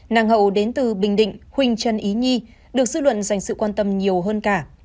nàng hậu đến từ bình định huynh trân ý nhi được sư luận dành sự quan tâm nhiều hơn cả